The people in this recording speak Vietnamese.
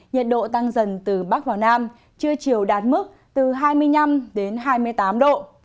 nhiệt độ tăng dần từ bắc vào nam trưa chiều đạt mức từ hai mươi năm đến hai mươi tám độ